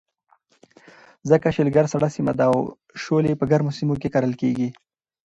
ځکه شلګر سړه سیمه ده او شولې په ګرمو سیمو کې کرلې کېږي.